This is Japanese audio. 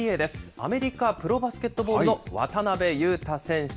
アメリカプロバスケットボールの渡邉雄太選手。